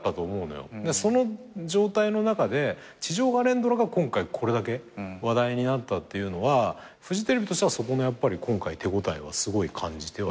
その状態の中で地上波連ドラが今回これだけ話題になったっていうのはフジテレビとしてはそこの今回手応えはすごい感じてはいる。